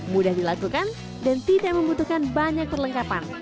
mudah dilakukan dan tidak membutuhkan banyak perlengkapan